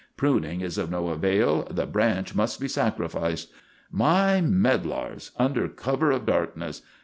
Pruning is of no avail; the branch must be sacrificed. My medlars under cover of darkness!